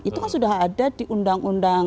itu kan sudah ada di undang undang